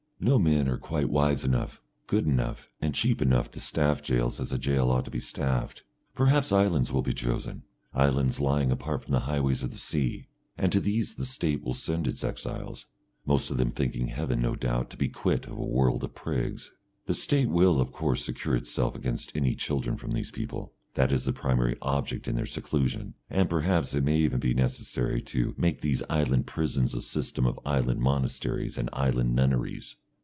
No men are quite wise enough, good enough and cheap enough to staff jails as a jail ought to be staffed. Perhaps islands will be chosen, islands lying apart from the highways of the sea, and to these the State will send its exiles, most of them thanking Heaven, no doubt, to be quit of a world of prigs. The State will, of course, secure itself against any children from these people, that is the primary object in their seclusion, and perhaps it may even be necessary to make these island prisons a system of island monasteries and island nunneries.